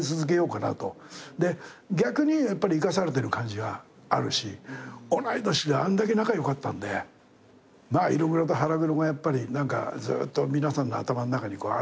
で逆にやっぱり生かされてる感じがあるし同い年であんだけ仲良かったんでまあ色黒と腹黒がやっぱりずっと皆さんの頭の中にあればいいかなと。